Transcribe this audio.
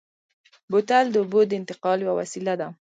بوتل د اوبو د انتقال یوه وسیله ده.